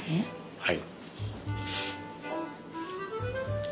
はい。